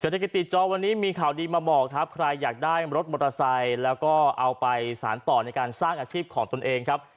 เศรษฐกิจติดจอวันนี้มีข่าวดีมาบอกครับใครอยากได้รถมอเตอร์ไซค์แล้วก็เอาไปสารต่อในการสร้างอาชีพของตนเองครับ